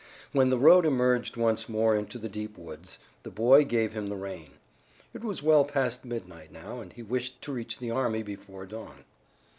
When the road emerged once more into the deep woods the boy gave him the rein. It was well past midnight now, and he wished to reach the army before dawn.